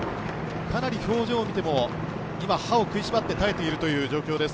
かなり表情を見ても、今、歯を食いしばって耐えているという状況です。